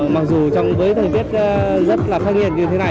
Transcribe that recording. mặc dù trong thời tiết rất là phát nhiệt như thế này